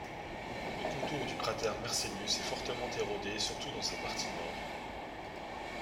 Le contour du cratère Mersenius est fortement érodé surtout dans sa partie nord.